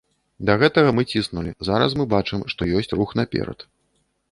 Да гэтага мы ціснулі, зараз мы бачым, што ёсць рух наперад.